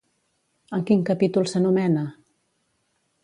En quin capítol s'anomena?